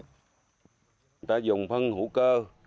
chúng ta dùng phân hữu cơ